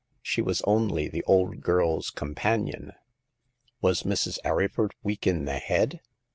She was only the old girl's companion/' Was Mrs. Arryford weak in the head